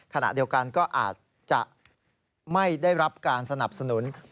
ขณะเดียวกันก็อาจจะไม่ได้รับการสนับสนุน